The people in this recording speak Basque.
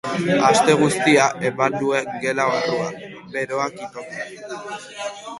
Aste guztia eman nuen gela barruan, beroak itota.